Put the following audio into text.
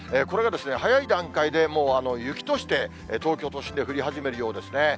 これが早い段階で、もう雪として東京都心で降り始めるようですね。